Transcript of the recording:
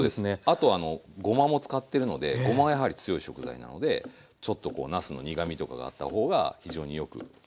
あとごまも使ってるのでごまはやはり強い食材なのでちょっとこうなすの苦みとかがあった方が非常によくなる。